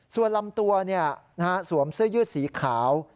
ส่วนลำตัวสวมเสื้อยืดสีขาว